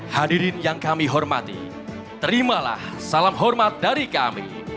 hadirin yang kami hormati terimalah salam hormat dari kami